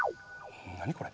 何これ？